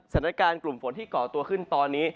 สถานการณ์กลุ่มฝนที่เกาะตัวขึ้นตอนนี้